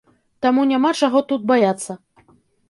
Таму няма чаго тут баяцца.